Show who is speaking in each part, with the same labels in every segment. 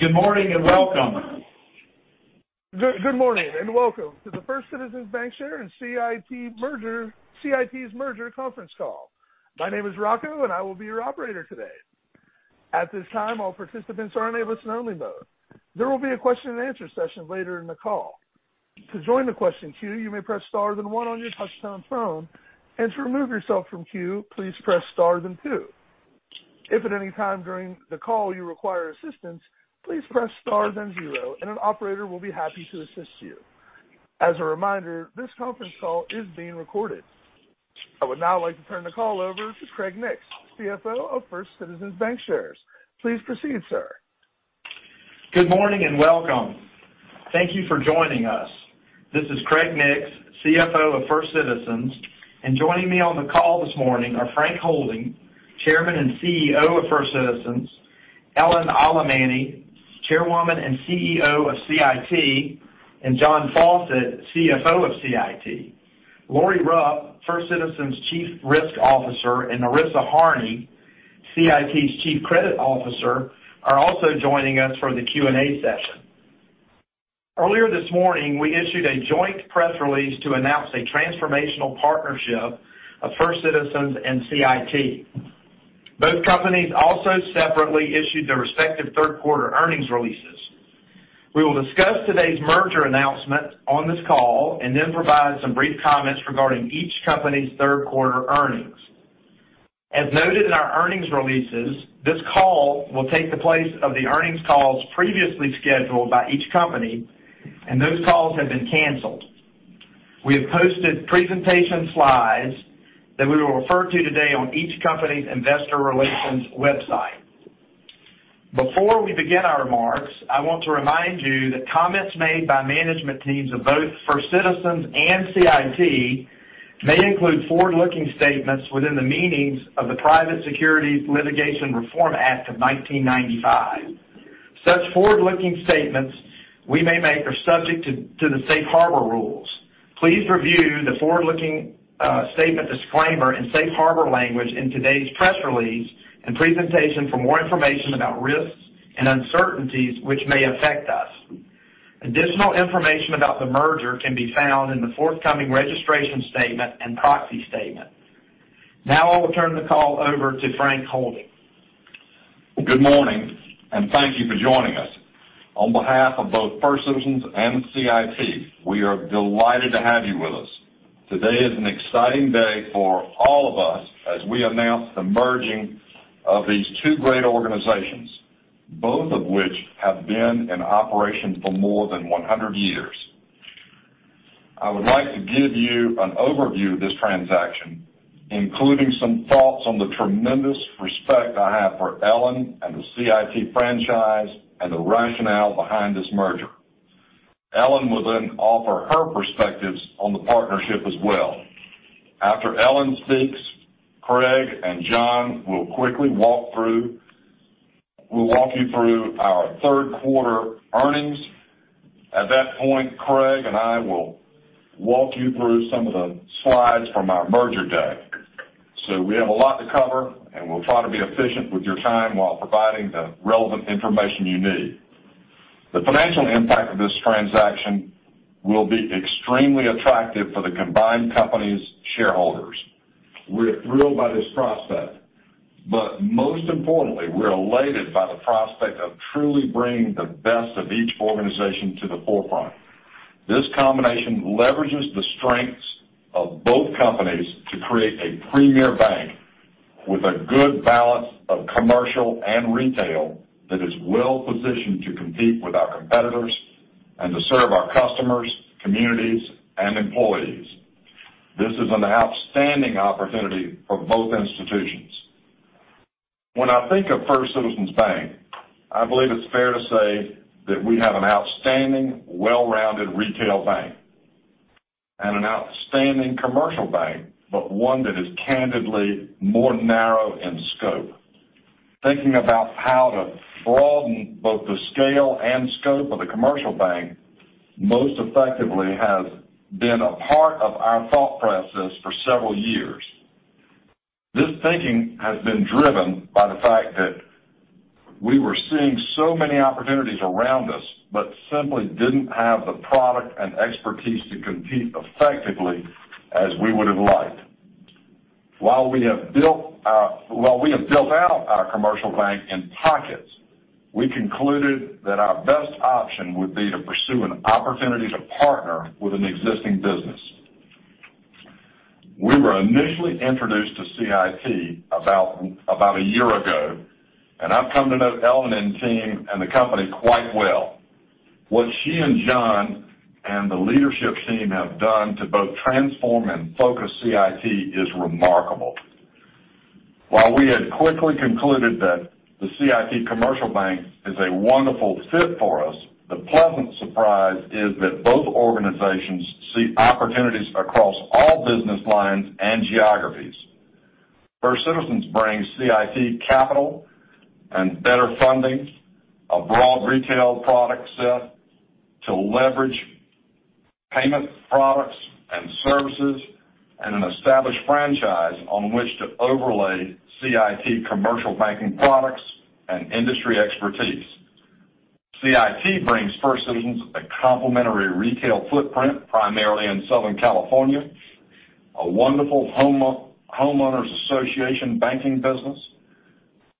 Speaker 1: Good morning and welcome. Good morning and welcome to the First Citizens BancShares and CIT's merger conference call. My name is Rocco and I will be your operator today. At this time, all participants are in listen-only mode. There will be a question and answer session later in the call. To join the question queue, you may press star, then one on your touch-tone phone, and to remove yourself from the queue, please press star, then two. If at any time during the call you require assistance, please press star, then zero and an operator will be happy to assist you. As a reminder, this conference call is being recorded. I would now like to turn the call over to Craig Nix, CFO of First Citizens BancShares. Please proceed, sir.
Speaker 2: Good morning and welcome. Thank you for joining us. This is Craig Nix, CFO of First Citizens, and joining me on the call this morning are Frank Holding, Chairman and CEO of First Citizens; Ellen Alemany, Chairwoman and CEO of CIT; and John Fawcett, CFO of CIT. Lorie Rupp, First Citizens Chief Risk Officer, and Marisa Harney, CIT's Chief Credit Officer, are also joining us for the Q&A session. Earlier this morning, we issued a joint press release to announce a transformational partnership of First Citizens and CIT. Both companies also separately issued their respective third-quarter earnings releases. We will discuss today's merger announcement on this call and then provide some brief comments regarding each company's third-quarter earnings. As noted in our earnings releases, this call will take the place of the earnings calls previously scheduled by each company, and those calls have been canceled. We have posted presentation slides that we will refer to today on each company's investor relations website. Before we begin our remarks, I want to remind you that comments made by management teams of both First Citizens and CIT may include forward-looking statements within the meanings of the Private Securities Litigation Reform Act of 1995. Such forward-looking statements we may make are subject to the Safe Harbor Rules. Please review the forward-looking statement disclaimer in Safe Harbor language in today's press release and presentation for more information about risks and uncertainties which may affect us. Additional information about the merger can be found in the forthcoming registration statement and proxy statement. Now I will turn the call over to Frank Holding.
Speaker 3: Good morning and thank you for joining us. On behalf of both First Citizens and CIT, we are delighted to have you with us. Today is an exciting day for all of us as we announce the merging of these two great organizations, both of which have been in operation for more than 100 years. I would like to give you an overview of this transaction, including some thoughts on the tremendous respect I have for Ellen and the CIT franchise and the rationale behind this merger. Ellen will then offer her perspectives on the partnership as well. After Ellen speaks, Craig and John will quickly walk you through our third-quarter earnings. At that point, Craig and I will walk you through some of the slides from our merger day. So we have a lot to cover and we'll try to be efficient with your time while providing the relevant information you need. The financial impact of this transaction will be extremely attractive for the combined company's shareholders. We're thrilled by this prospect, but most importantly, we're elated by the prospect of truly bringing the best of each organization to the forefront. This combination leverages the strengths of both companies to create a premier bank with a good balance of commercial and retail that is well positioned to compete with our competitors and to serve our customers, communities, and employees. This is an outstanding opportunity for both institutions. When I think of First Citizens Bank, I believe it's fair to say that we have an outstanding, well-rounded retail bank and an outstanding commercial bank, but one that is candidly more narrow in scope. Thinking about how to broaden both the scale and scope of the commercial bank most effectively has been a part of our thought process for several years. This thinking has been driven by the fact that we were seeing so many opportunities around us, but simply didn't have the product and expertise to compete effectively as we would have liked. While we have built out our commercial bank in pockets, we concluded that our best option would be to pursue an opportunity to partner with an existing business. We were initially introduced to CIT about a year ago, and I've come to know Ellen and team and the company quite well. What she and John and the leadership team have done to both transform and focus CIT is remarkable. While we had quickly concluded that the CIT commercial bank is a wonderful fit for us, the pleasant surprise is that both organizations see opportunities across all business lines and geographies. First Citizens brings CIT capital and better funding, a broad retail product set to leverage payment products and services, and an established franchise on which to overlay CIT commercial banking products and industry expertise. CIT brings First Citizens a complementary retail footprint primarily in Southern California, a wonderful homeowners association banking business,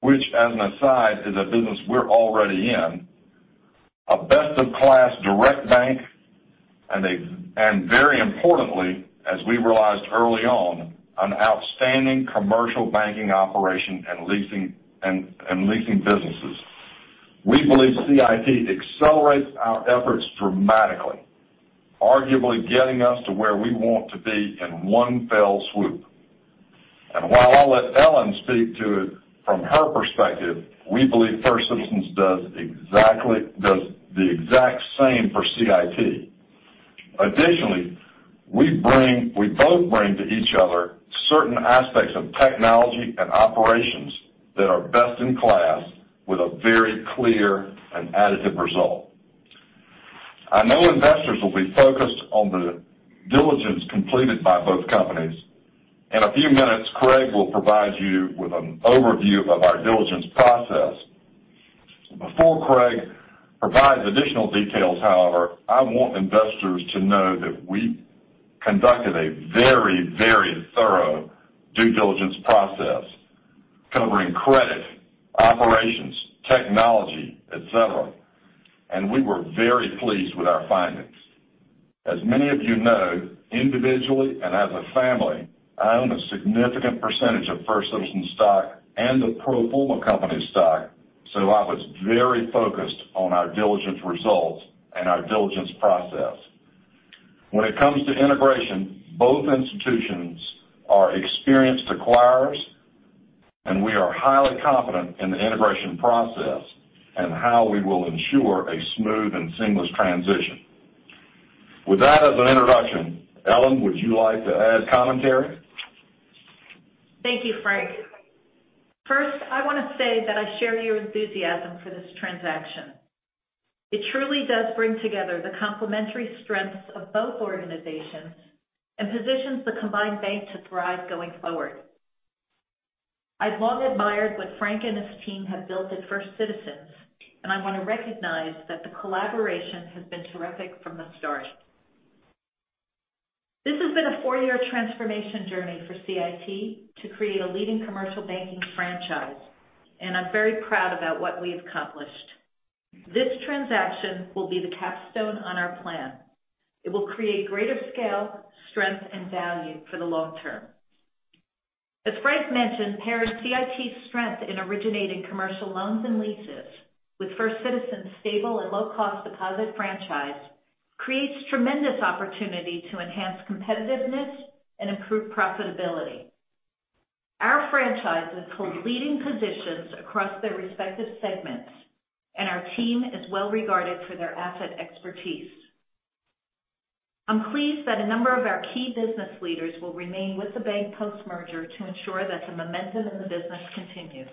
Speaker 3: which, as an aside, is a business we're already in, a best of class direct bank, and very importantly, as we realized early on, an outstanding commercial banking operation and leasing businesses. We believe CIT accelerates our efforts dramatically, arguably getting us to where we want to be in one fell swoop. While I'll let Ellen speak to it from her perspective, we believe First Citizens does the exact same for CIT. Additionally, we both bring to each other certain aspects of technology and operations that are best in class with a very clear and additive result. I know investors will be focused on the diligence completed by both companies, and a few minutes, Craig will provide you with an overview of our diligence process. Before Craig provides additional details, however, I want investors to know that we conducted a very, very thorough due diligence process covering credit, operations, technology, etc., and we were very pleased with our findings. As many of you know, individually and as a family, I own a significant percentage of First Citizens stock and the pro forma company stock, so I was very focused on our diligence results and our diligence process. When it comes to integration, both institutions are experienced acquirers, and we are highly confident in the integration process and how we will ensure a smooth and seamless transition. With that as an introduction, Ellen, would you like to add commentary?
Speaker 4: Thank you, Frank. First, I want to say that I share your enthusiasm for this transaction. It truly does bring together the complementary strengths of both organizations and positions the combined bank to thrive going forward. I've long admired what Frank and his team have built at First Citizens, and I want to recognize that the collaboration has been terrific from the start. This has been a four-year transformation journey for CIT to create a leading commercial banking franchise, and I'm very proud about what we've accomplished. This transaction will be the capstone on our plan. It will create greater scale, strength, and value for the long term. As Frank mentioned, pairing CIT's strength in originating commercial loans and leases with First Citizens' stable and low-cost deposit franchise creates tremendous opportunity to enhance competitiveness and improve profitability. Our franchises hold leading positions across their respective segments, and our team is well regarded for their asset expertise. I'm pleased that a number of our key business leaders will remain with the bank post-merger to ensure that the momentum in the business continues.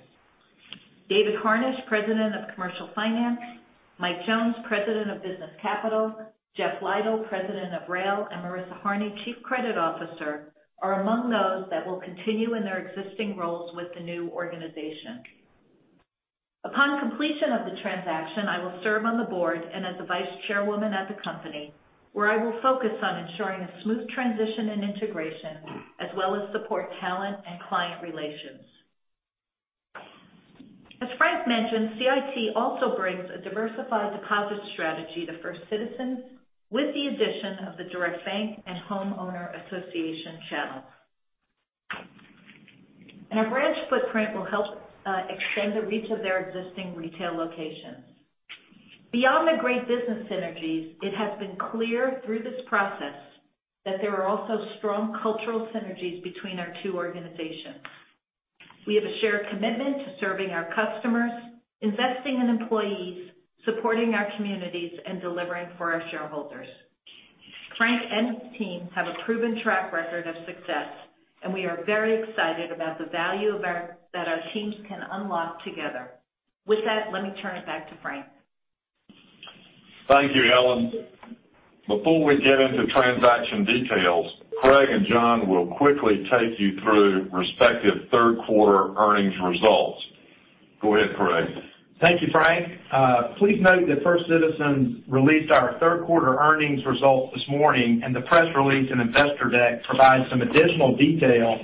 Speaker 4: David Harnisch, President of Commercial Finance, Mike Jones, President of Business Capital, Jeff Lytle, President of Rail, and Marisa Harney, Chief Credit Officer, are among those that will continue in their existing roles with the new organization. Upon completion of the transaction, I will serve on the board and as the Vice Chairwoman at the company, where I will focus on ensuring a smooth transition and integration, as well as support talent and client relations. As Frank mentioned, CIT also brings a diversified deposit strategy to First Citizens with the addition of the Direct Bank and Homeowner Association channels. Our branch footprint will help extend the reach of their existing retail locations. Beyond the great business synergies, it has been clear through this process that there are also strong cultural synergies between our two organizations. We have a shared commitment to serving our customers, investing in employees, supporting our communities, and delivering for our shareholders. Frank and his team have a proven track record of success, and we are very excited about the value that our teams can unlock together. With that, let me turn it back to Frank.
Speaker 3: Thank you, Ellen. Before we get into transaction details, Craig and John will quickly take you through respective third-quarter earnings results. Go ahead, Craig.
Speaker 2: Thank you, Frank. Please note that First Citizens released our third-quarter earnings results this morning, and the press release and investor deck provide some additional detail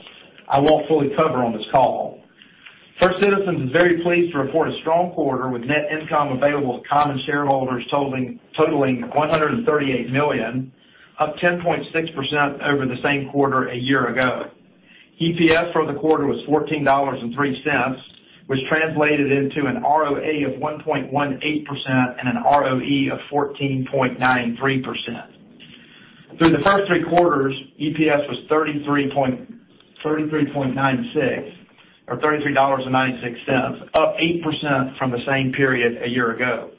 Speaker 2: I won't fully cover on this call. First Citizens is very pleased to report a strong quarter with net income available to common shareholders totaling $138 million, up 10.6% over the same quarter a year ago. EPS for the quarter was $14.03, which translated into an ROA of 1.18% and an ROE of 14.93%. Through the first three quarters, EPS was $33.96, or $33.96, up 8% from the same period a year ago.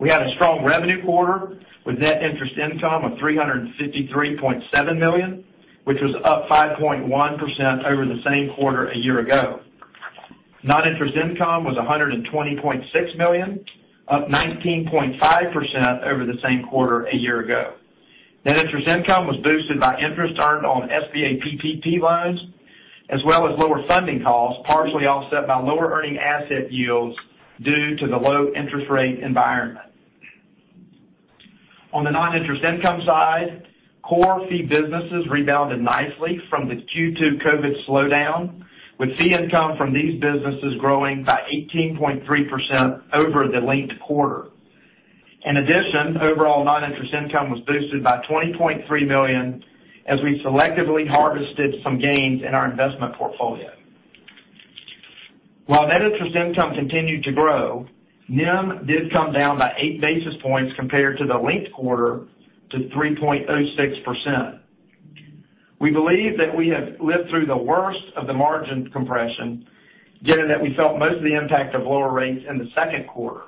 Speaker 2: We had a strong revenue quarter with net interest income of $353.7 million, which was up 5.1% over the same quarter a year ago. Non-interest income was $120.6 million, up 19.5% over the same quarter a year ago. Net interest income was boosted by interest earned on SBA PPP loans, as well as lower funding costs partially offset by lower earning asset yields due to the low interest rate environment. On the non-interest income side, core fee businesses rebounded nicely from the Q2 COVID slowdown, with fee income from these businesses growing by 18.3% over the linked quarter. In addition, overall non-interest income was boosted by $20.3 million as we selectively harvested some gains in our investment portfolio. While net interest income continued to grow, NIM did come down by eight basis points compared to the linked quarter to 3.06%. We believe that we have lived through the worst of the margin compression, given that we felt most of the impact of lower rates in the second quarter.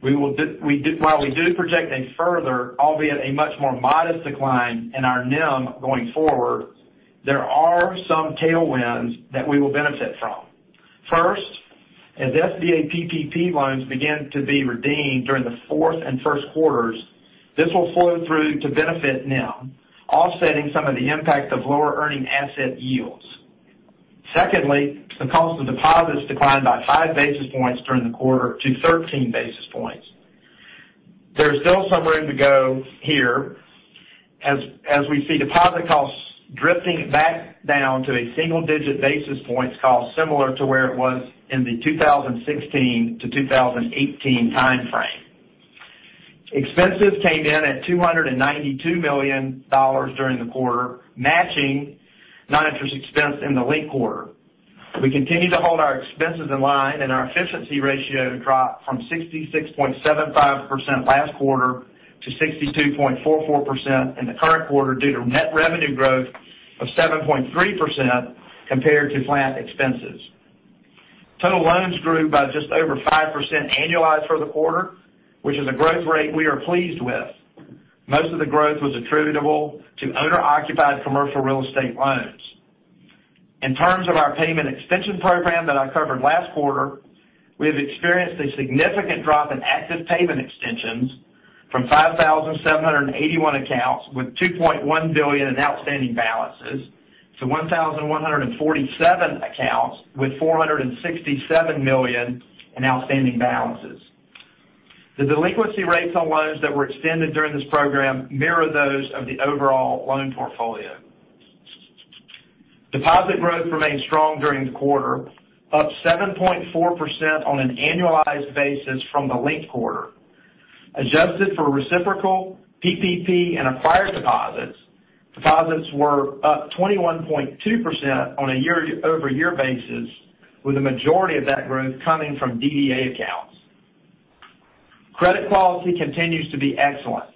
Speaker 2: While we do project a further, albeit a much more modest decline in our NIM going forward, there are some tailwinds that we will benefit from. First, as SBA PPP loans begin to be redeemed during the fourth and first quarters, this will flow through to benefit NIM, offsetting some of the impact of lower earning asset yields. Secondly, the cost of deposits declined by 5 basis points during the quarter to 13 basis points. There is still some room to go here as we see deposit costs drifting back down to a single-digit basis points cost similar to where it was in the 2016-2018 timeframe. Expenses came in at $292 million during the quarter, matching non-interest expense in the linked quarter. We continue to hold our expenses in line, and our efficiency ratio dropped from 66.75% last quarter to 62.44% in the current quarter due to net revenue growth of 7.3% compared to flat expenses. Total loans grew by just over 5% annualized for the quarter, which is a growth rate we are pleased with. Most of the growth was attributable to owner-occupied commercial real estate loans. In terms of our payment extension program that I covered last quarter, we have experienced a significant drop in active payment extensions from 5,781 accounts with $2.1 billion in outstanding balances to 1,147 accounts with $467 million in outstanding balances. The delinquency rates on loans that were extended during this program mirror those of the overall loan portfolio. Deposit growth remained strong during the quarter, up 7.4% on an annualized basis from the linked quarter. Adjusted for reciprocal, PPP, and acquired deposits, deposits were up 21.2% on a year-over-year basis, with the majority of that growth coming from DDA accounts. Credit quality continues to be excellent.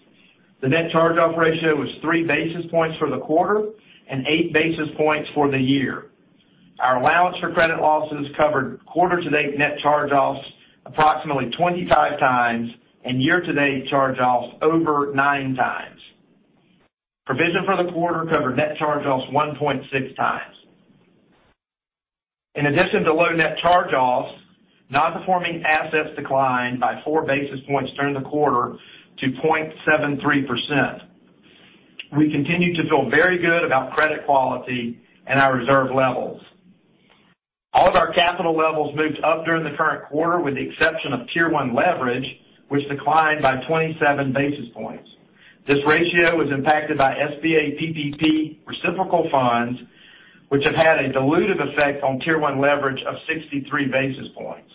Speaker 2: The net charge-off ratio was 3 basis points for the quarter and 8 basis points for the year. Our allowance for credit losses covered quarter-to-date net charge-offs approximately 25 times and year-to-date charge-offs over 9 times. Provision for the quarter covered net charge-offs 1.6 times. In addition to low net charge-offs, non-performing assets declined by 4 basis points during the quarter to 0.73%. We continue to feel very good about credit quality and our reserve levels. All of our capital levels moved up during the current quarter with the exception of Tier 1 leverage, which declined by 27 basis points. This ratio was impacted by SBA PPP reciprocal funds, which have had a dilutive effect on Tier 1 leverage of 63 basis points.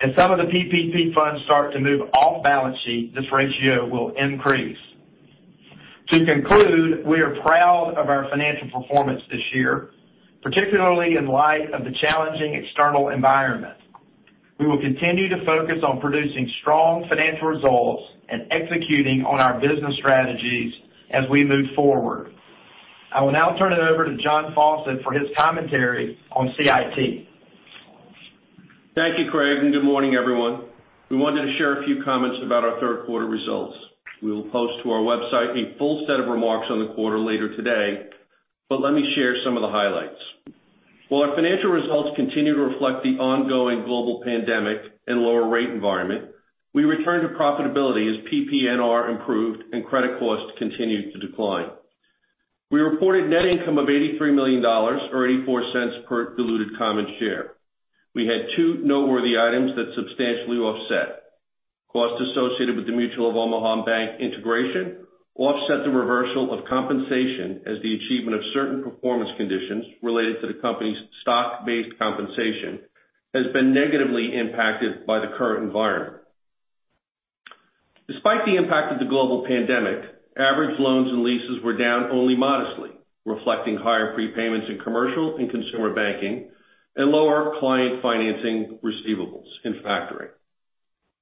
Speaker 2: As some of the PPP funds start to move off balance sheet, this ratio will increase. To conclude, we are proud of our financial performance this year, particularly in light of the challenging external environment. We will continue to focus on producing strong financial results and executing on our business strategies as we move forward. I will now turn it over to John Fawcett for his commentary on CIT.
Speaker 5: Thank you, Craig, and good morning, everyone. We wanted to share a few comments about our third-quarter results. We will post to our website a full set of remarks on the quarter later today, but let me share some of the highlights. While our financial results continue to reflect the ongoing global pandemic and lower rate environment, we returned to profitability as PPNR improved and credit costs continued to decline. We reported net income of $83 million, or $0.84 per diluted common share. We had two noteworthy items that substantially offset. Costs associated with the Mutual of Omaha Bank integration offset the reversal of compensation as the achievement of certain performance conditions related to the company's stock-based compensation has been negatively impacted by the current environment. Despite the impact of the global pandemic, average loans and leases were down only modestly, reflecting higher prepayments in commercial and consumer banking and lower client financing receivables in factoring.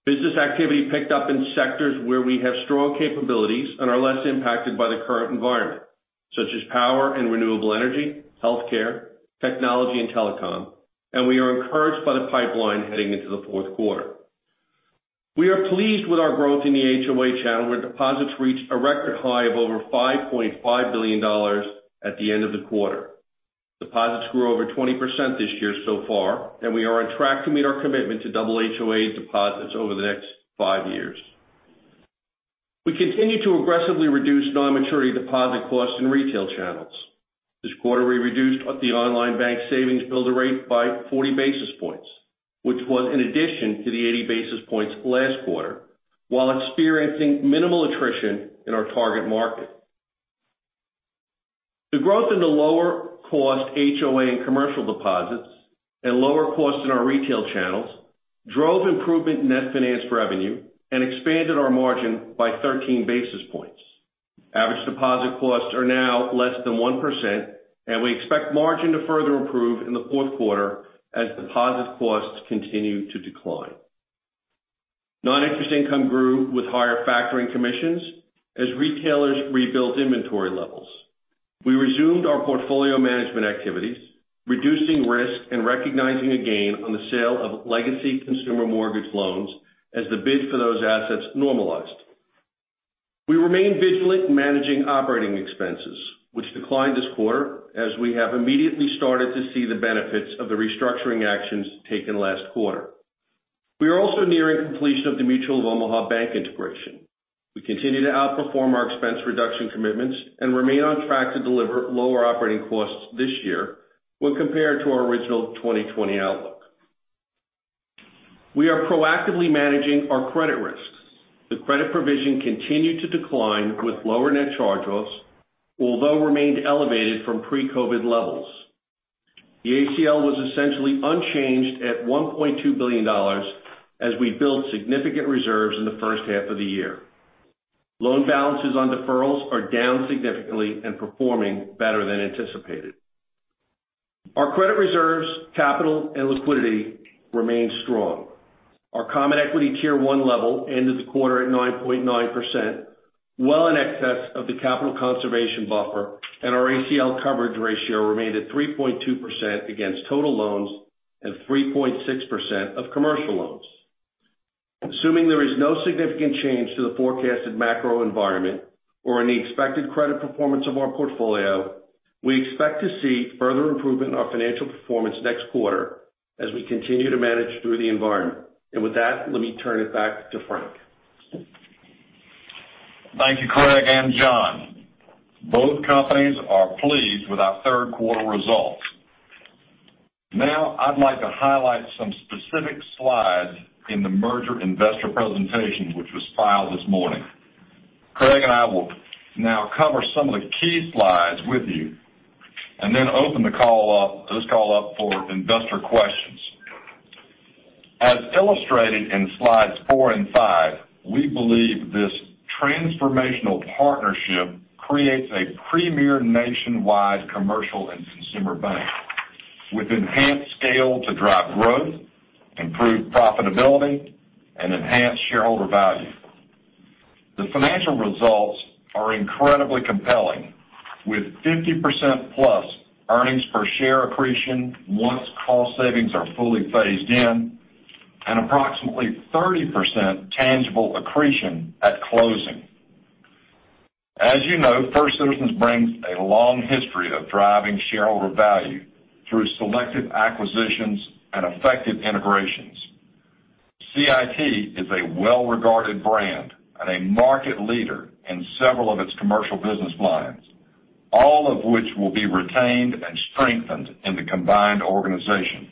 Speaker 5: Business activity picked up in sectors where we have strong capabilities and are less impacted by the current environment, such as power and renewable energy, healthcare, technology, and telecom, and we are encouraged by the pipeline heading into the fourth quarter. We are pleased with our growth in the HOA channel where deposits reached a record high of over $5.5 billion at the end of the quarter. Deposits grew over 20% this year so far, and we are on track to meet our commitment to double HOA deposits over the next five years. We continue to aggressively reduce non-maturity deposit costs in retail channels. This quarter, we reduced the online bank Savings Builder rate by 40 basis points, which was in addition to the 80 basis points last quarter, while experiencing minimal attrition in our target market. The growth in the lower-cost HOA and commercial deposits and lower costs in our retail channels drove improvement in net finance revenue and expanded our margin by 13 basis points. Average deposit costs are now less than 1%, and we expect margin to further improve in the fourth quarter as deposit costs continue to decline. Non-interest income grew with higher factoring commissions as retailers rebuilt inventory levels. We resumed our portfolio management activities, reducing risk and recognizing a gain on the sale of legacy consumer mortgage loans as the bid for those assets normalized. We remain vigilant in managing operating expenses, which declined this quarter as we have immediately started to see the benefits of the restructuring actions taken last quarter. We are also nearing completion of the Mutual of Omaha Bank integration. We continue to outperform our expense reduction commitments and remain on track to deliver lower operating costs this year when compared to our original 2020 outlook. We are proactively managing our credit risks. The credit provision continued to decline with lower net charge-offs, although remained elevated from pre-COVID levels. The ACL was essentially unchanged at $1.2 billion as we built significant reserves in the first half of the year. Loan balances on deferrals are down significantly and performing better than anticipated. Our credit reserves, capital, and liquidity remain strong. Our Common Equity Tier 1 level ended the quarter at 9.9%, well in excess of the capital conservation buffer, and our ACL coverage ratio remained at 3.2% against total loans and 3.6% of commercial loans. Assuming there is no significant change to the forecasted macro environment or in the expected credit performance of our portfolio, we expect to see further improvement in our financial performance next quarter as we continue to manage through the environment. With that, let me turn it back to Frank.
Speaker 3: Thank you, Craig and John. Both companies are pleased with our third-quarter results. Now, I'd like to highlight some specific slides in the merger investor presentation, which was filed this morning. Craig and I will now cover some of the key slides with you and then open this call up for investor questions. As illustrated in slides 4 and 5, we believe this transformational partnership creates a premier nationwide commercial and consumer bank with enhanced scale to drive growth, improve profitability, and enhance shareholder value. The financial results are incredibly compelling, with 50%+ earnings per share accretion once cost savings are fully phased in and approximately 30% tangible accretion at closing. As you know, First Citizens brings a long history of driving shareholder value through selective acquisitions and effective integrations. CIT is a well-regarded brand and a market leader in several of its commercial business lines, all of which will be retained and strengthened in the combined organization.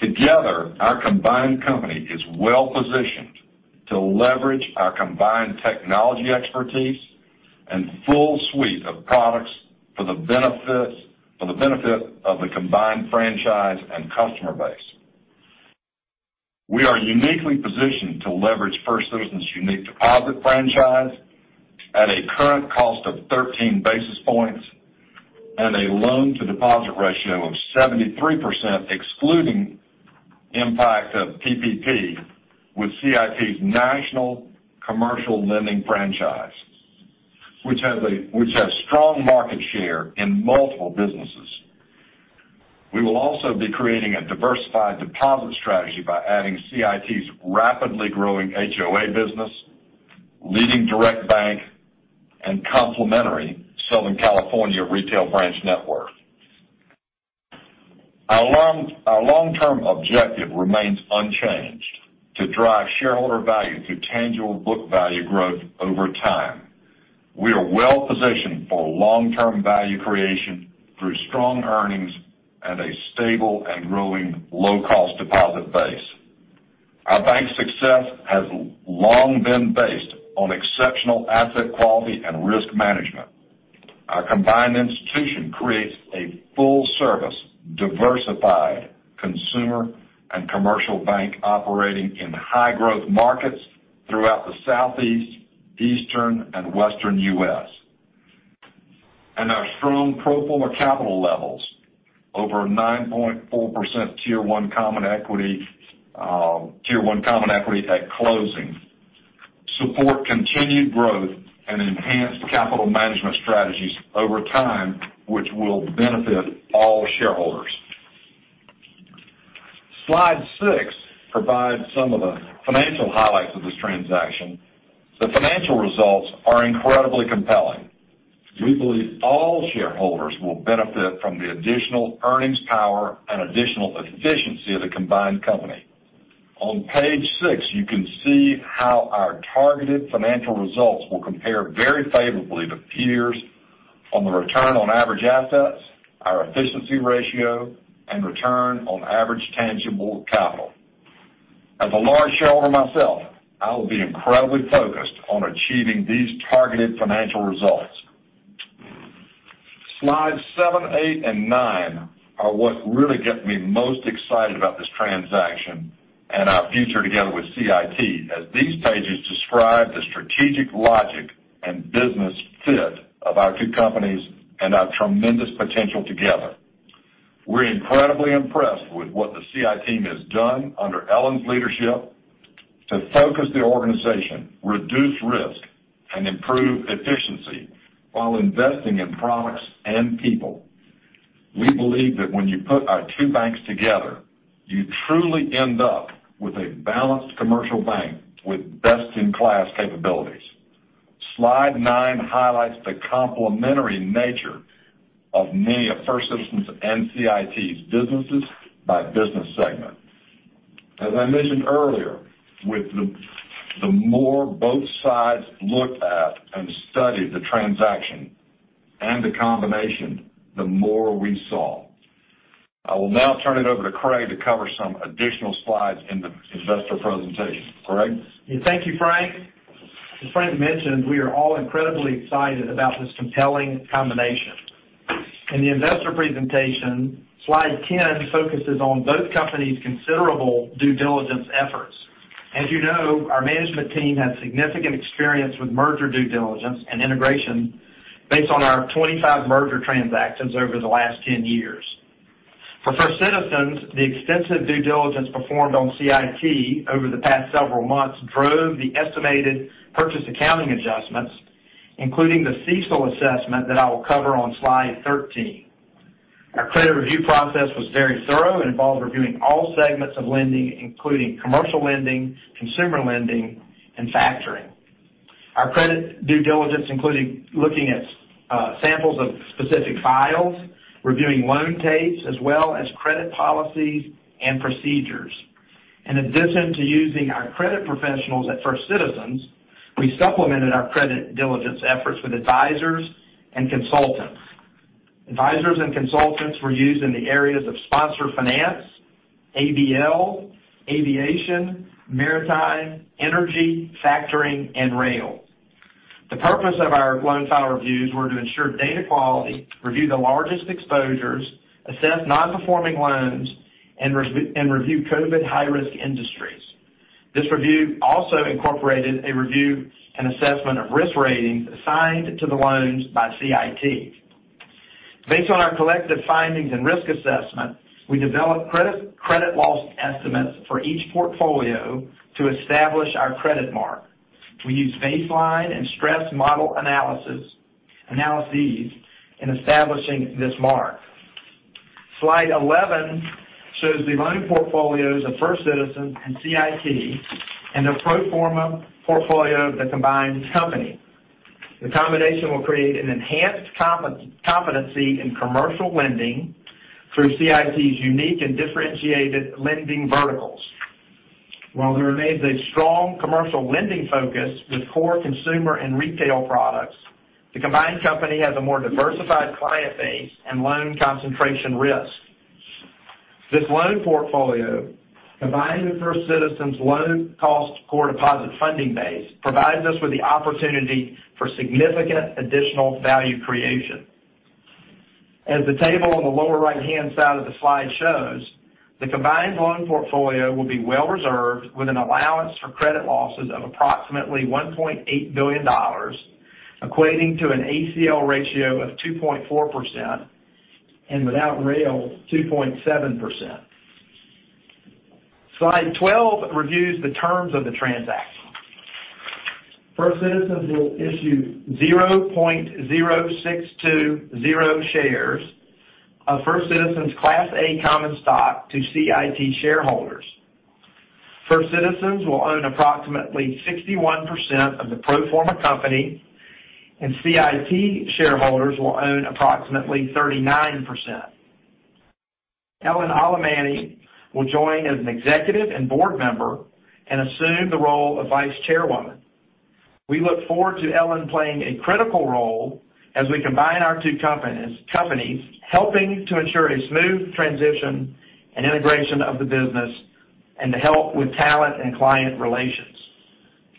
Speaker 3: Together, our combined company is well-positioned to leverage our combined technology expertise and full suite of products for the benefit of the combined franchise and customer base. We are uniquely positioned to leverage First Citizens' unique deposit franchise at a current cost of 13 basis points and a loan-to-deposit ratio of 73% excluding impact of PPP with CIT's national commercial lending franchise, which has strong market share in multiple businesses. We will also be creating a diversified deposit strategy by adding CIT's rapidly growing HOA business, leading direct bank, and complementary Southern California retail branch network. Our long-term objective remains unchanged: to drive shareholder value through tangible book value growth over time. We are well-positioned for long-term value creation through strong earnings and a stable and growing low-cost deposit base. Our bank's success has long been based on exceptional asset quality and risk management. Our combined institution creates a full-service, diversified consumer and commercial bank operating in high-growth markets throughout the Southeast, Eastern, and Western U.S. Our strong pro forma capital levels, over 9.4% Tier 1 common equity at closing, support continued growth and enhanced capital management strategies over time, which will benefit all shareholders. Slide 6 provides some of the financial highlights of this transaction. The financial results are incredibly compelling. We believe all shareholders will benefit from the additional earnings power and additional efficiency of the combined company. On page 6, you can see how our targeted financial results will compare very favorably to peers on the return on average assets, our efficiency ratio, and return on average tangible capital. As a large shareholder myself, I will be incredibly focused on achieving these targeted financial results. Slides 7, 8, and 9 are what really get me most excited about this transaction and our future together with CIT, as these pages describe the strategic logic and business fit of our two companies and our tremendous potential together. We're incredibly impressed with what the CIT team has done under Ellen's leadership to focus the organization, reduce risk, and improve efficiency while investing in products and people. We believe that when you put our two banks together, you truly end up with a balanced commercial bank with best-in-class capabilities. Slide 9 highlights the complementary nature of many of First Citizens' and CIT's businesses by business segment. As I mentioned earlier, with the more both sides looked at and studied the transaction and the combination, the more we saw. I will now turn it over to Craig to cover some additional slides in the investor presentation. Craig?
Speaker 2: Thank you, Frank. As Frank mentioned, we are all incredibly excited about this compelling combination. In the investor presentation, slide 10 focuses on both companies' considerable due diligence efforts. As you know, our management team has significant experience with merger due diligence and integration based on our 25 merger transactions over the last 10 years. For First Citizens, the extensive due diligence performed on CIT over the past several months drove the estimated purchase accounting adjustments, including the CECL assessment that I will cover on slide 13. Our credit review process was very thorough and involved reviewing all segments of lending, including commercial lending, consumer lending, and factoring. Our credit due diligence included looking at samples of specific files, reviewing loan tapes, as well as credit policies and procedures. In addition to using our credit professionals at First Citizens, we supplemented our credit diligence efforts with advisors and consultants. Advisors and consultants were used in the areas of sponsored finance, ABL, aviation, maritime, energy, factoring, and rail. The purpose of our loan file reviews were to ensure data quality, review the largest exposures, assess non-performing loans, and review COVID high-risk industries. This review also incorporated a review and assessment of risk ratings assigned to the loans by CIT. Based on our collective findings and risk assessment, we developed credit loss estimates for each portfolio to establish our credit mark. We used baseline and stress model analyses in establishing this mark. Slide 11 shows the loan portfolios of First Citizens and CIT and the pro forma portfolio of the combined company. The combination will create an enhanced competency in commercial lending through CIT's unique and differentiated lending verticals. While there remains a strong commercial lending focus with core consumer and retail products, the combined company has a more diversified client base and loan concentration risk. This loan portfolio, combining the First Citizens' loan cost core deposit funding base, provides us with the opportunity for significant additional value creation. As the table on the lower right-hand side of the slide shows, the combined loan portfolio will be well-reserved with an allowance for credit losses of approximately $1.8 billion, equating to an ACL ratio of 2.4% and, without rail, 2.7%. Slide 12 reviews the terms of the transaction. First Citizens will issue 0.0620 shares of First Citizens' Class A common stock to CIT shareholders. First Citizens will own approximately 61% of the pro forma company, and CIT shareholders will own approximately 39%. Ellen Alemany will join as an executive and board member and assume the role of vice chairwoman. We look forward to Ellen playing a critical role as we combine our two companies, helping to ensure a smooth transition and integration of the business and to help with talent and client relations.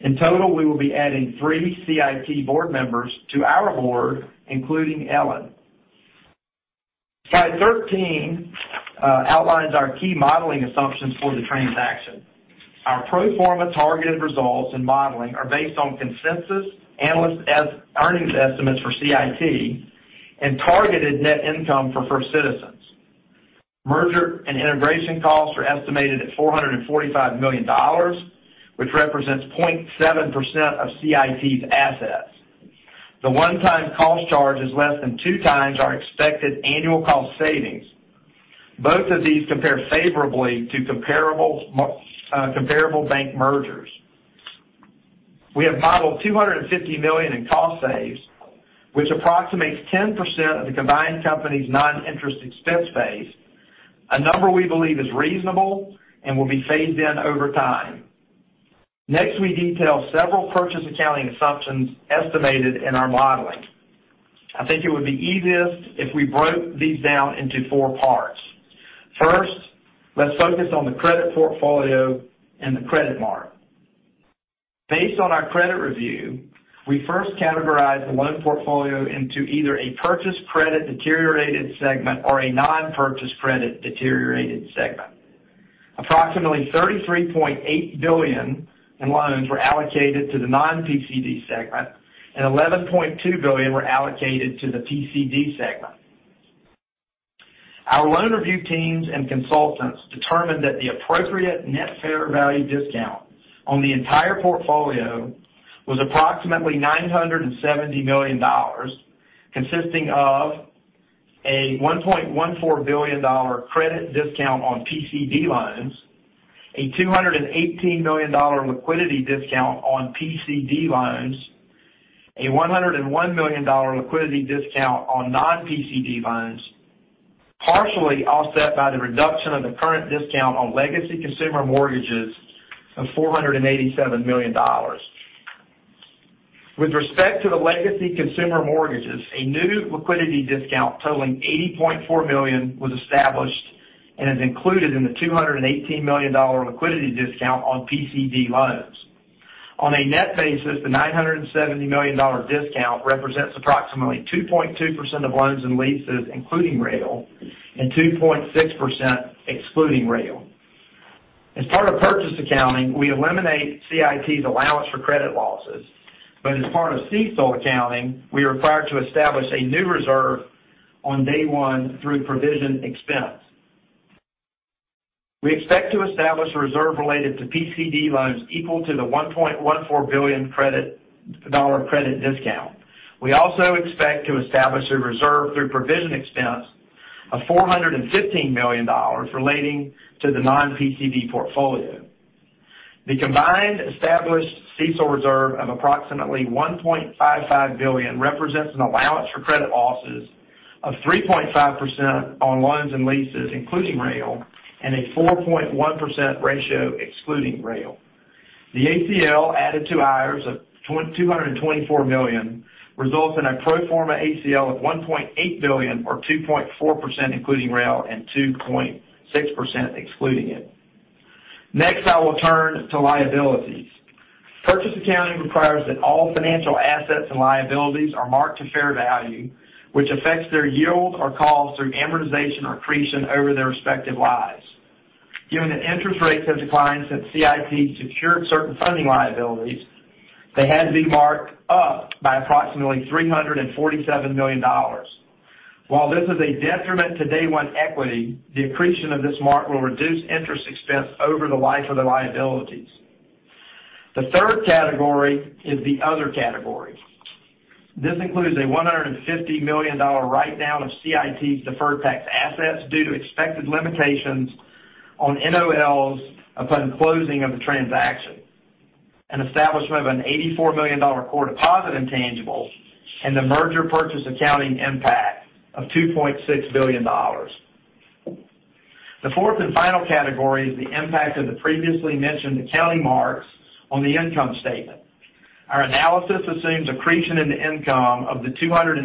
Speaker 2: In total, we will be adding three CIT board members to our board, including Ellen. Slide 13 outlines our key modeling assumptions for the transaction. Our pro forma targeted results and modeling are based on consensus analyst earnings estimates for CIT and targeted net income for First Citizens. Merger and integration costs are estimated at $445 million, which represents 0.7% of CIT's assets. The one-time cost charge is less than two times our expected annual cost savings. Both of these compare favorably to comparable bank mergers. We have modeled $250 million in cost savings, which approximates 10% of the combined company's non-interest expense base, a number we believe is reasonable and will be phased in over time. Next, we detail several purchase accounting assumptions estimated in our modeling. I think it would be easiest if we broke these down into four parts. First, let's focus on the credit portfolio and the credit mark. Based on our credit review, we first categorized the loan portfolio into either a purchase credit deteriorated segment or a non-purchase credit deteriorated segment. Approximately $33.8 billion in loans were allocated to the non-PCD segment, and $11.2 billion were allocated to the PCD segment. Our loan review teams and consultants determined that the appropriate net fair value discount on the entire portfolio was approximately $970 million, consisting of a $1.14 billion credit discount on PCD loans, a $218 million liquidity discount on PCD loans, a $101 million liquidity discount on non-PCD loans, partially offset by the reduction of the current discount on legacy consumer mortgages of $487 million. With respect to the legacy consumer mortgages, a new liquidity discount totaling $80.4 million was established and is included in the $218 million liquidity discount on PCD loans. On a net basis, the $970 million discount represents approximately 2.2% of loans and leases, including rail, and 2.6% excluding rail. As part of purchase accounting, we eliminate CIT's allowance for credit losses, but as part of CECL accounting, we are required to establish a new reserve on day one through provision expense. We expect to establish a reserve related to PCD loans equal to the $1.14 billion credit discount. We also expect to establish a reserve through provision expense of $415 million relating to the non-PCD portfolio. The combined established CECL reserve of approximately $1.55 billion represents an allowance for credit losses of 3.5% on loans and leases, including rail, and a 4.1% ratio excluding rail. The ACL added to IRES of $224 million results in a pro forma ACL of $1.8 billion, or 2.4% including rail and 2.6% excluding it. Next, I will turn to liabilities. Purchase accounting requires that all financial assets and liabilities are marked to fair value, which affects their yield or cost through amortization or accretion over their respective lives. Given that interest rates have declined since CIT secured certain funding liabilities, they had to be marked up by approximately $347 million. While this is a detriment to day one equity, the accretion of this mark will reduce interest expense over the life of the liabilities. The third category is the other category. This includes a $150 million write-down of CIT's deferred tax assets due to expected limitations on NOLs upon closing of the transaction, an establishment of an $84 million core deposit intangible, and the merger purchase accounting impact of $2.6 billion. The fourth and final category is the impact of the previously mentioned accounting marks on the income statement. Our analysis assumes accretion in the income of the $218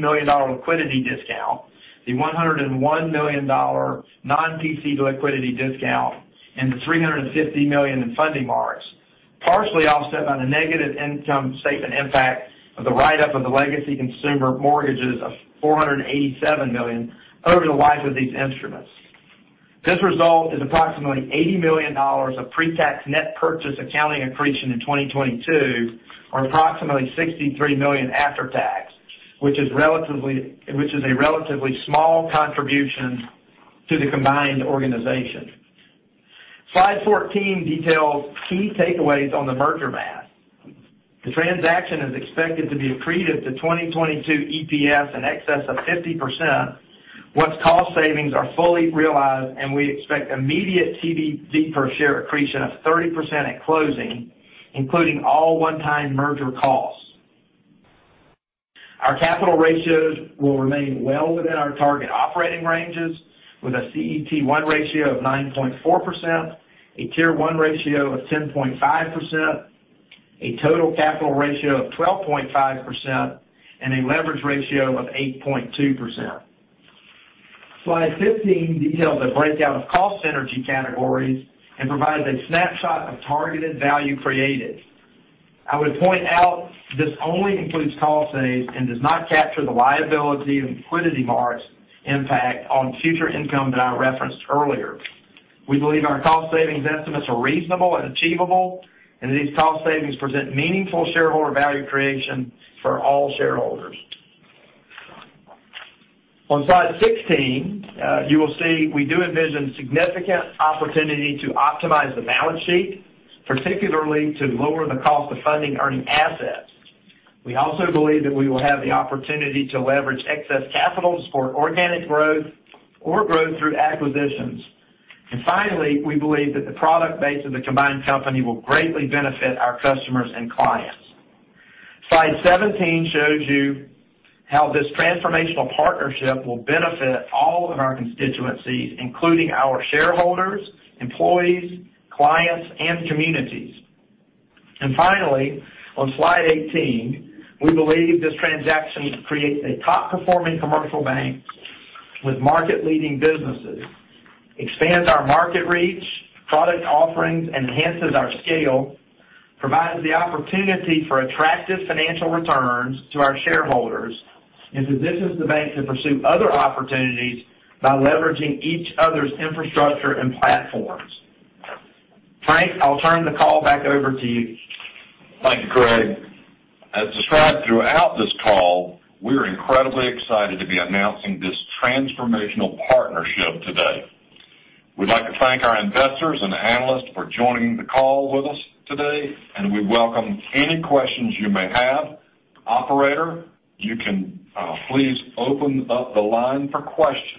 Speaker 2: million liquidity discount, the $101 million non-PCD liquidity discount, and the $350 million in funding marks, partially offset by the negative income statement impact of the write-up of the legacy consumer mortgages of $487 million over the life of these instruments. This result is approximately $80 million of pre-tax net purchase accounting accretion in 2022, or approximately $63 million after tax, which is a relatively small contribution to the combined organization. Slide 14 details key takeaways on the merger math. The transaction is expected to be accretive to 2022 EPS in excess of 50%, once cost savings are fully realized, and we expect immediate TBV per share accretion of 30% at closing, including all one-time merger costs. Our capital ratios will remain well within our target operating ranges, with a CET1 ratio of 9.4%, a Tier 1 ratio of 10.5%, a total capital ratio of 12.5%, and a leverage ratio of 8.2%. Slide 15 details the breakout of cost synergy categories and provides a snapshot of targeted value created. I would point out this only includes cost savings and does not capture the liability and liquidity marks impact on future income that I referenced earlier. We believe our cost savings estimates are reasonable and achievable, and these cost savings present meaningful shareholder value creation for all shareholders. On slide 16, you will see we do envision significant opportunity to optimize the balance sheet, particularly to lower the cost of funding earning assets. We also believe that we will have the opportunity to leverage excess capital to support organic growth or growth through acquisitions. And finally, we believe that the product base of the combined company will greatly benefit our customers and clients. Slide 17 shows you how this transformational partnership will benefit all of our constituencies, including our shareholders, employees, clients, and communities. Finally, on slide 18, we believe this transaction creates a top-performing commercial bank with market-leading businesses, expands our market reach, product offerings, and enhances our scale, provides the opportunity for attractive financial returns to our shareholders, and positions the bank to pursue other opportunities by leveraging each other's infrastructure and platforms. Frank, I'll turn the call back over to you.
Speaker 3: Thank you, Craig. As described throughout this call, we are incredibly excited to be announcing this transformational partnership today. We'd like to thank our investors and analysts for joining the call with us today, and we welcome any questions you may have. Operator, you can please open up the line for questions.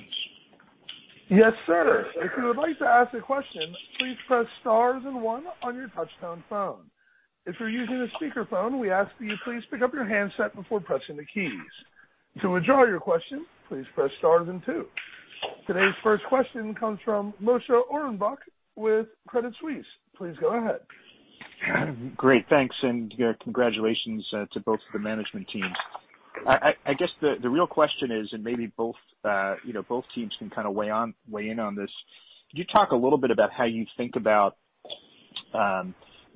Speaker 1: Yes, sir. If you would like to ask a question, please press stars and one on your touch-tone phone. If you're using a speakerphone, we ask that you please pick up your handset before pressing the keys. To withdraw your question, please press stars and two. Today's first question comes from Moshe Orenbuch with Credit Suisse. Please go ahead.
Speaker 6: Great. Thanks. Congratulations to both of the management teams. I guess the real question is, and maybe both teams can kind of weigh in on this, could you talk a little bit about how you think about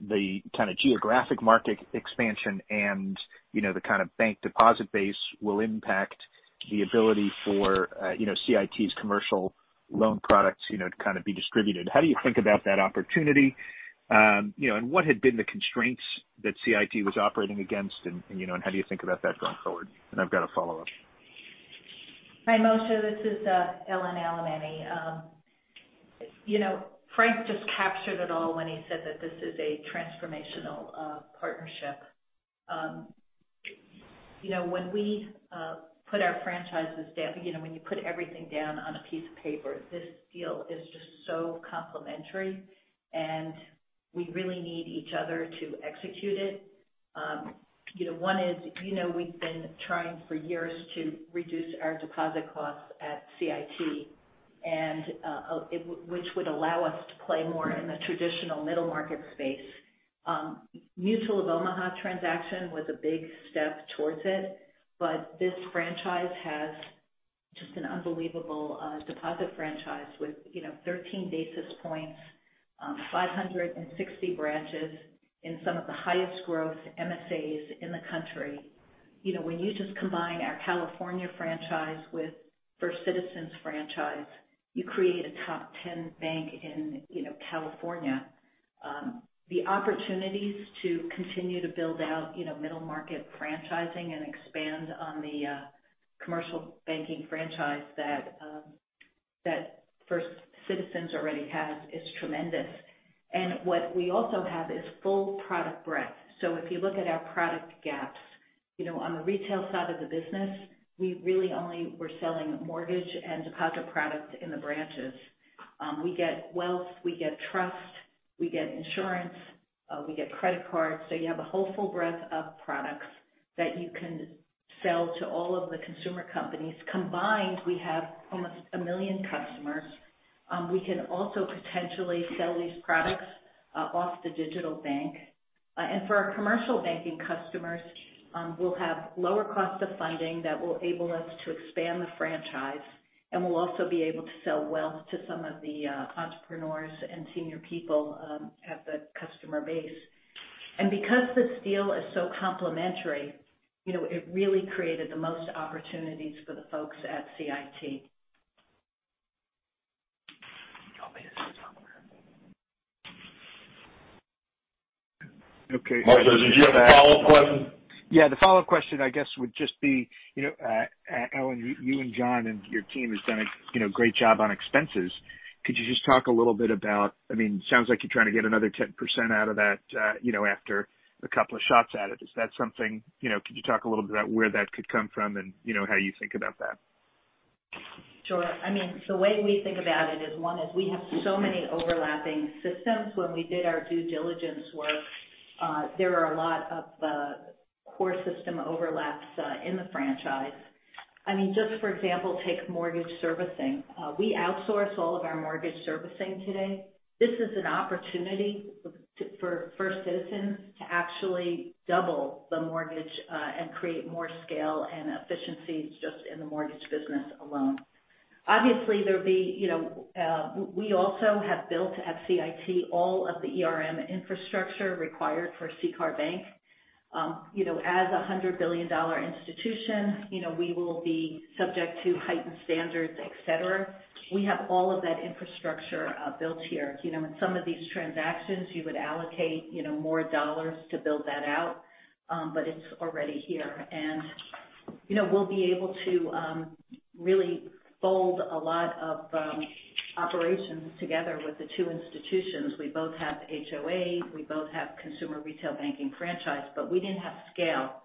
Speaker 6: the kind of geographic market expansion and the kind of bank deposit base will impact the ability for CIT's commercial loan products to kind of be distributed? How do you think about that opportunity? And what had been the constraints that CIT was operating against, and how do you think about that going forward? I've got a follow-up.
Speaker 4: Hi, Moshe. This is Ellen Alemany. Frank just captured it all when he said that this is a transformational partnership. When we put our franchises down, when you put everything down on a piece of paper, this deal is just so complementary, and we really need each other to execute it. One is we've been trying for years to reduce our deposit costs at CIT, which would allow us to play more in the traditional middle market space. Mutual of Omaha transaction was a big step towards it, but this franchise has just an unbelievable deposit franchise with 13 basis points, 560 branches, and some of the highest growth MSAs in the country. When you just combine our California franchise with First Citizens franchise, you create a top 10 bank in California. The opportunities to continue to build out middle market franchising and expand on the commercial banking franchise that First Citizens already has is tremendous. And what we also have is full product breadth. So if you look at our product gaps, on the retail side of the business, we really only were selling mortgage and deposit products in the branches. We get wealth, we get trust, we get insurance, we get credit cards. So you have a whole full breadth of products that you can sell to all of the consumer companies. Combined, we have almost a million customers. We can also potentially sell these products off the digital bank. And for our commercial banking customers, we'll have lower cost of funding that will enable us to expand the franchise, and we'll also be able to sell wealth to some of the entrepreneurs and senior people at the customer base. Because this deal is so complementary, it really created the most opportunities for the folks at CIT.
Speaker 1: Okay. Moshe, did you have a follow-up question?
Speaker 6: Yeah. The follow-up question, I guess, would just be, Ellen, you and John and your team have done a great job on expenses. Could you just talk a little bit about, I mean, it sounds like you're trying to get another 10% out of that after a couple of shots at it. Is that something? Could you talk a little bit about where that could come from and how you think about that?
Speaker 4: Sure. I mean, the way we think about it is one is we have so many overlapping systems. When we did our due diligence work, there are a lot of core system overlaps in the franchise. I mean, just for example, take mortgage servicing. We outsource all of our mortgage servicing today. This is an opportunity for First Citizens to actually double the mortgage and create more scale and efficiencies just in the mortgage business alone. Obviously, there would be we also have built at CIT all of the infrastructure required for CCAR Bank. As a $100 billion institution, we will be subject to heightened standards, etc. We have all of that infrastructure built here. In some of these transactions, you would allocate more dollars to build that out, but it's already here. And we'll be able to really fold a lot of operations together with the two institutions. We both have HOA. We both have consumer retail banking franchise, but we didn't have scale.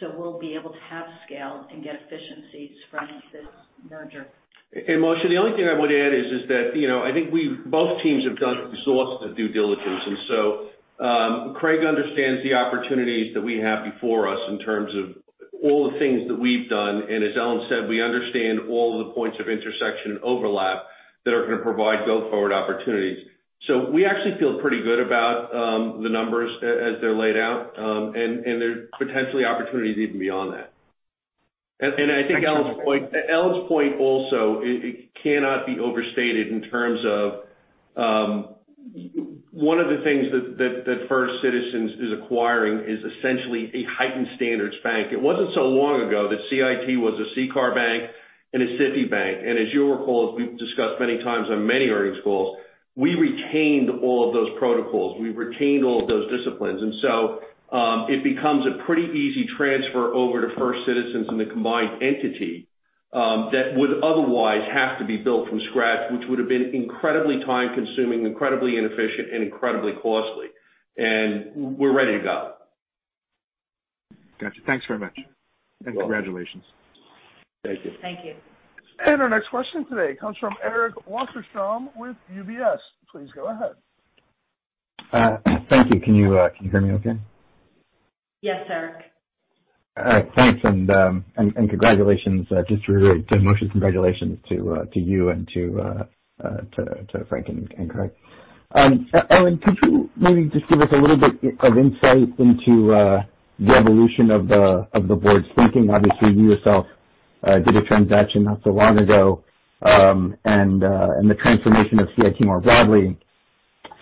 Speaker 4: So we'll be able to have scale and get efficiencies from this merger.
Speaker 5: And Moshe, the only thing I want to add is that I think we both teams have done exhaustive due diligence. And so Craig understands the opportunities that we have before us in terms of all the things that we've done. And as Ellen said, we understand all of the points of intersection and overlap that are going to provide go-forward opportunities. So we actually feel pretty good about the numbers as they're laid out, and there are potentially opportunities even beyond that. And I think Ellen's point also cannot be overstated in terms of one of the things that First Citizens is acquiring is essentially a heightened standards bank. It wasn't so long ago that CIT was a CCAR Bank and a SIFI Bank. And as you'll recall, as we've discussed many times on many earnings calls, we retained all of those protocols. We retained all of those disciplines. So it becomes a pretty easy transfer over to First Citizens and the combined entity that would otherwise have to be built from scratch, which would have been incredibly time-consuming, incredibly inefficient, and incredibly costly. We're ready to go.
Speaker 6: Gotcha. Thanks very much. And congratulations.
Speaker 3: Thank you.
Speaker 4: Thank you.
Speaker 1: Our next question today comes from Eric Wasserstrom with UBS. Please go ahead.
Speaker 7: Thank you. Can you hear me okay?
Speaker 4: Yes, Eric.
Speaker 7: All right. Thanks. And congratulations. Just really good, Moshe, congratulations to you and to Frank and Craig. Ellen, could you maybe just give us a little bit of insight into the evolution of the board's thinking? Obviously, you yourself did a transaction not so long ago, and the transformation of CIT more broadly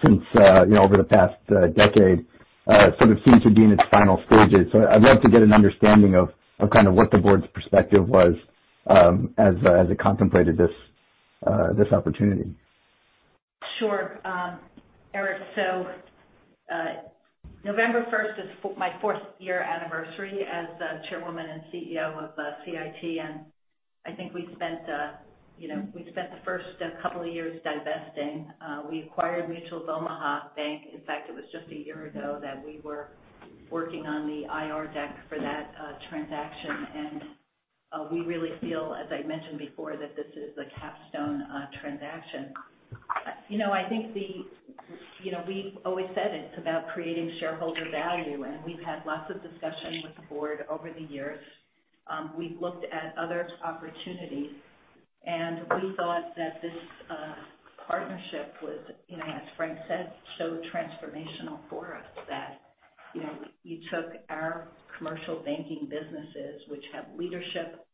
Speaker 7: since over the past decade sort of seems to be in its final stages. So I'd love to get an understanding of kind of what the board's perspective was as it contemplated this opportunity.
Speaker 4: Sure. Eric, so November 1st is my fourth year anniversary as Chairwoman and CEO of CIT. I think we spent the first couple of years divesting. We acquired Mutual of Omaha Bank. In fact, it was just a year ago that we were working on the IR deck for that transaction. We really feel, as I mentioned before, that this is a capstone transaction. I think we've always said it's about creating shareholder value. We've had lots of discussion with the board over the years. We've looked at other opportunities, and we thought that this partnership was, as Frank said, so transformational for us that you took our commercial banking businesses, which have leadership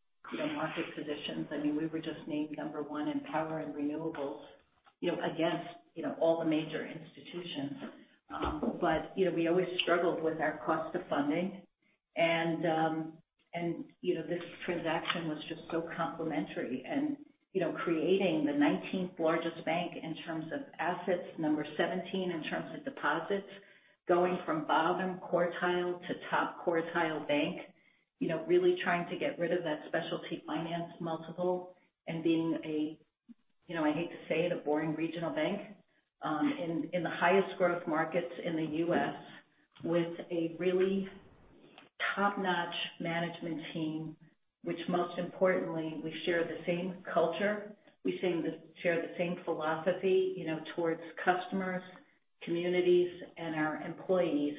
Speaker 4: market positions. I mean, we were just named number one in power and renewables against all the major institutions. But we always struggled with our cost of funding. This transaction was just so complementary. Creating the 19th largest bank in terms of assets, number 17 in terms of deposits, going from bottom quartile to top quartile bank, really trying to get rid of that specialty finance multiple and being a, I hate to say it, a boring regional bank in the highest growth markets in the U.S. with a really top-notch management team, which most importantly, we share the same culture. We share the same philosophy towards customers, communities, and our employees.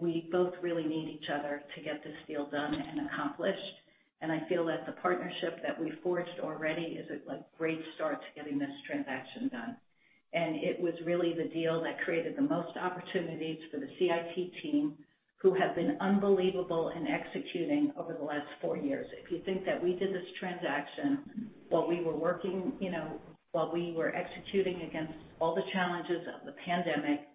Speaker 4: We both really need each other to get this deal done and accomplished. I feel that the partnership that we forged already is a great start to getting this transaction done. It was really the deal that created the most opportunities for the CIT team, who have been unbelievable in executing over the last four years. If you think that we did this transaction while we were working, while we were executing against all the challenges of the pandemic,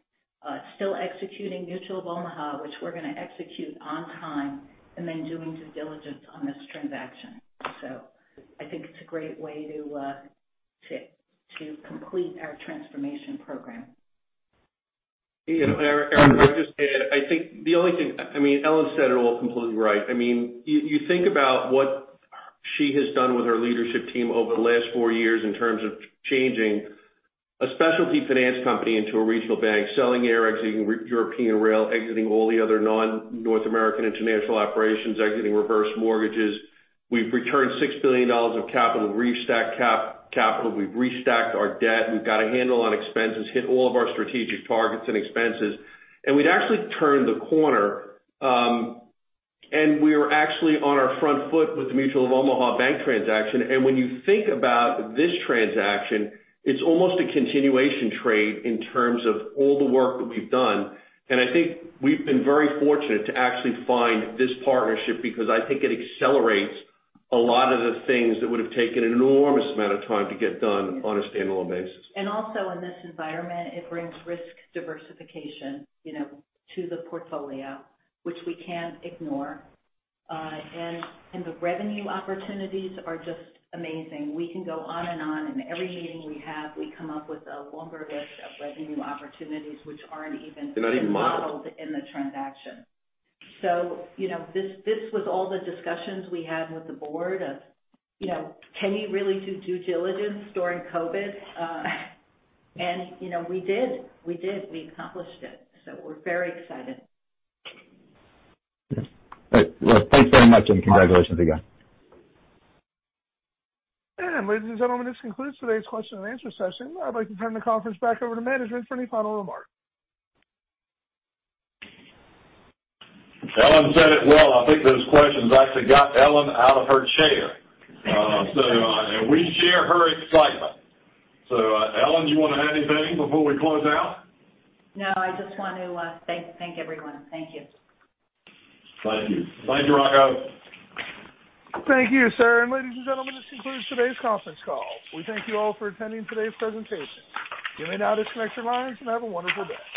Speaker 4: still executing Mutual of Omaha, which we're going to execute on time, and then doing due diligence on this transaction. So I think it's a great way to complete our transformation program.
Speaker 5: Eric, I just add, I think the only thing I mean, Ellen said it all completely right. I mean, you think about what she has done with her leadership team over the last four years in terms of changing a specialty finance company into a regional bank, selling Air, exiting European Rail, exiting all the other non-North American international operations, exiting reverse mortgages. We've returned $6 billion of capital, restocked capital. We've restocked our debt. We've got a handle on expenses, hit all of our strategic targets and expenses. We'd actually turned the corner. We were actually on our front foot with the Mutual of Omaha Bank transaction. When you think about this transaction, it's almost a continuation trade in terms of all the work that we've done. I think we've been very fortunate to actually find this partnership because I think it accelerates a lot of the things that would have taken an enormous amount of time to get done on a standalone basis.
Speaker 4: And also in this environment, it brings risk diversification to the portfolio, which we can't ignore. And the revenue opportunities are just amazing. We can go on and on. In every meeting we have, we come up with a longer list of revenue opportunities, which aren't even modeled in the transaction. So this was all the discussions we had with the board of, can you really do due diligence during COVID? And we did. We did. We accomplished it. So we're very excited.
Speaker 7: Thanks very much. Congratulations again.
Speaker 1: Ladies and gentlemen, this concludes today's question and answer session. I'd like to turn the conference back over to management for any final remarks.
Speaker 3: Ellen said it well. I think those questions actually got Ellen out of her chair. We share her excitement. Ellen, do you want to add anything before we close out?
Speaker 4: No, I just want to thank everyone. Thank you.
Speaker 3: Thank you. Thank you, Rocco.
Speaker 1: Thank you, sir. Ladies and gentlemen, this concludes today's conference call. We thank you all for attending today's presentation. You may now disconnect your lines and have a wonderful day.